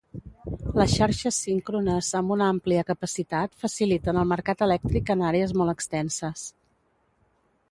Les xarxes síncrones amb una àmplia capacitat faciliten el mercat elèctric en àrees molt extenses.